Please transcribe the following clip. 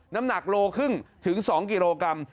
น้ำหนัก๑๕กกถึง๒กิโลกรัม